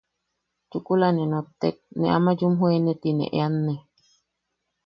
Chukula ne nottek, ne ama yumjoene tine eanne...